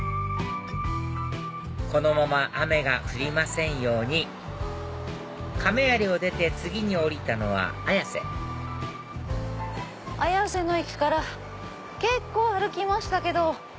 このまま雨が降りませんように亀有を出て次に降りたのは綾瀬綾瀬の駅から結構歩きましたけど。